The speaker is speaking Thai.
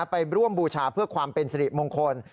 ไปร่วมบูชาเพื่อความเป็นสิริมงคล